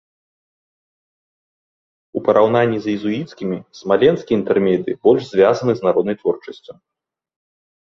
У параўнанні з езуіцкімі смаленскія інтэрмедыі больш звязаны з народнай творчасцю.